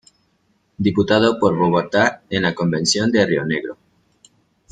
Diputado por Bogotá en la Convención de Rionegro.